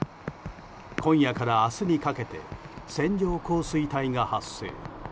今夜から明日にかけて線状降水帯が発生。